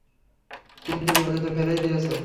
কিন্তু বিপদে তো ফেলেই দিয়েছ।